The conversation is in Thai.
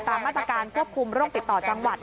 มาตรการควบคุมโรคติดต่อจังหวัด